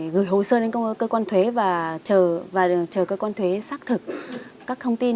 gửi hồ sơ đến cơ quan thuế và chờ cơ quan thuế xác thực các thông tin